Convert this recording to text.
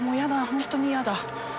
ホントにやだ。